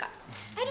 ya udah yuk